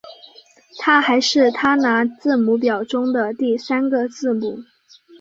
它还是它拿字母表中的第三个字母。